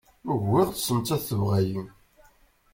Ugiɣ-tt, nettat tebɣa-iyi